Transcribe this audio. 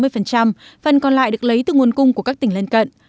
phần còn lại được lấy từ nguồn cung của các tỉnh lên cận